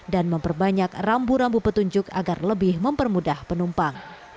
memperbanyak rambu rambu petunjuk agar lebih mempermudah penumpang